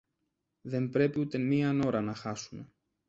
Δεν πρέπει ούτε μιαν ώρα να χάσουμε